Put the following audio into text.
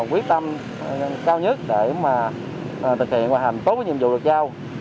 quyết tâm cao nhất để mà thực hiện hoạt hành tốt với nhiệm vụ được giao